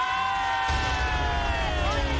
ร้อยไปร้อยไปร้อยไปเลย